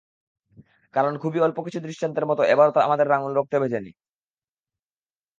কারণ, খুবই অল্প কিছু দৃষ্টান্তের মতো এবারও আমাদের আঙুল রক্তে ভেজেনি।